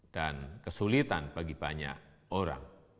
dan kesulitan bagi banyak orang